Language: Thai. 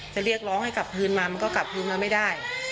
เรียกร้องให้กลับคืนมามันก็กลับคืนมาไม่ได้